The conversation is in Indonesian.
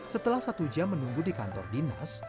setelah satu jam menunggu di kantor dinas